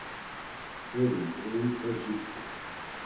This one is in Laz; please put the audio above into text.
Ğurun ğurunte ciktu.